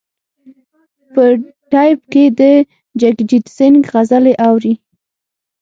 په ټیپ کې د جګجیت سنګ غزلې اوري.